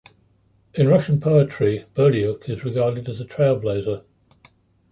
In Russian poetry, Burliuk is regarded as a trailblazer.